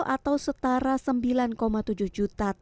atau setara sembilan tujuh juta